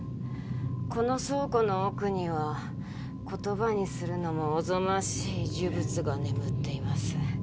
この倉庫の奥には言葉にするのもおぞましい呪物が眠っています。